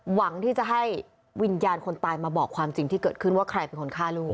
หวังที่จะให้วิญญาณคนตายมาบอกความจริงที่เกิดขึ้นว่าใครเป็นคนฆ่าลูก